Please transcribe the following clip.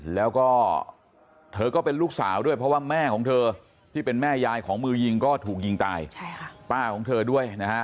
แล้วก็เธอก็เป็นลูกสาวด้วยเพราะว่าแม่ของเธอที่เป็นแม่ยายของมือยิงก็ถูกยิงตายป้าของเธอด้วยนะฮะ